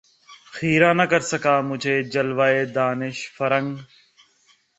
خیرہ نہ کر سکا مجھے جلوۂ دانش فرنگ